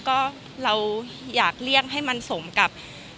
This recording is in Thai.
ก็เราอยากเลี่ยงให้มันสมกับ